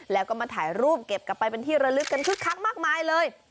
แล้วก็มาถ่ายรูปเก็บกลับไปเป็นที่ระลึกกันคึกคักมากมายเลย